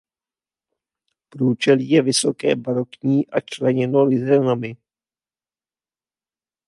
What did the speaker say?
Průčelí je vysoké barokní a členěno lizénami.